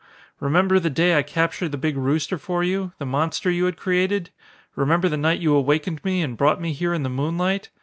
Remember the day I captured the big rooster for you the monster you had created? Remember the night you awakened me and brought me here in the moonlight?